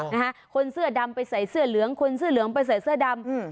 นะฮะคนเสื้อดำไปใส่เสื้อเหลืองคนเสื้อเหลืองไปใส่เสื้อดำอืม